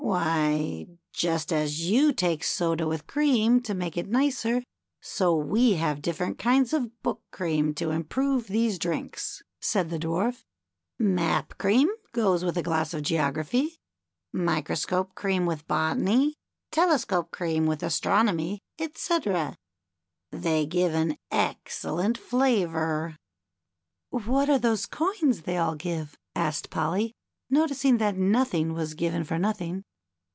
Why, just as you take soda with cream, to make it nicer, so we have different kinds of Book cream to improve these drinks," said the Dwarf. Map cream goes with a glass of Geography, Microscope cream with Botany, Telescope cream with Astronomy, etc. They give an excellent flavor." i8o THE CHILDREN'S WONDER BOOK. "What are those coins they all give?" asked Polly, noticing that nothing was given for nothing.